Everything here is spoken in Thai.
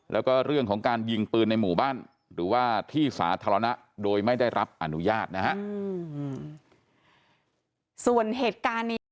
แล้วก็เรื่องของการยิงปืนในหมู่บ้านหรือว่าที่สาธารณะโดยไม่ได้รับอนุญาตนะครับ